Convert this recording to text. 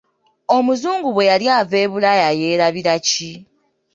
Omuzungu bwe yali ava e Bulaaya yeerabira ki?